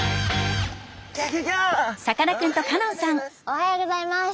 おはようギョざいます！